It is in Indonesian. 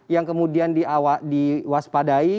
yang kemudian diwaspadai